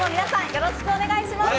よろしくお願いします。